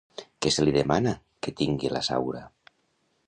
Què se li demana que tingui, la Saura?